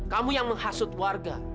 kamu yang menghasut warga